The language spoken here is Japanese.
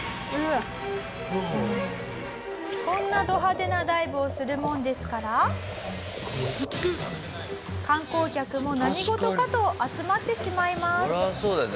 こんなド派手なダイブをするもんですから観光客も何事かと集まってしまいます。